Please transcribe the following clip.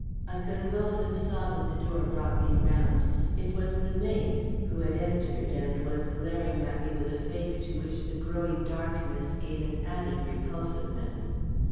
A convulsive sob at the door brought me around. It was the maid, who had entered and was glaring at me with a face to which the growing darkness gave an added repulsiveness.